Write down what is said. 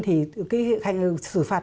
thì cái hệ thống xử phạt